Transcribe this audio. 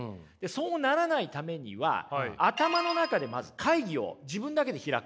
そうならないためには頭の中でまず会議を自分だけで開くんです。